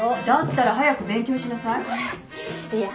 だったら早く勉強しなさい。